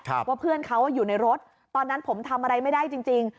ว่าเพื่อนเขาอยู่ในรถตอนนั้นผมทำอะไรไม่ได้จริงจริง